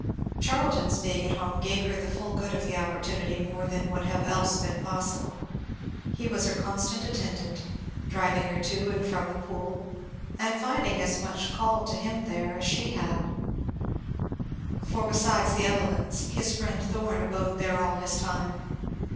Charlton's being at home gave her the full good of the opportunity more than would else have been possible. He was her constant attendant, driving her to and from the Pool, and finding as much to call him there as she had; for besides the Evelyns his friend Thorn abode there all this time.